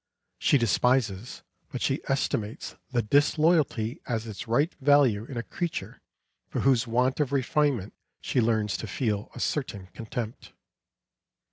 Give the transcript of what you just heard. She despises, but she estimates the disloyalty at its right value in a creature for whose want of refinement she learns to feel a certain contempt.